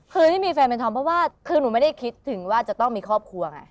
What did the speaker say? คือนี่มีแฟนเป็นธอมเพราะว่าคือหนูไม่ได้คิดถึงว่าจะต้องมีครอบครัวไง